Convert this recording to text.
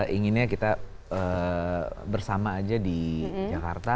inginnya kita bersama aja di jakarta